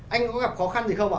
anh có gặp khó khăn gì không ạ